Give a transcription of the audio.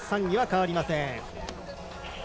３位は変わりません。